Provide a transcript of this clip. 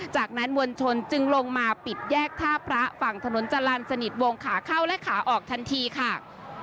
จากนั้นมวลชนจึงลงมาปิดแยกท่าพระฝั่งถนนจรรย์สนิทวงขาเข้าและขาออกทันทีค่ะ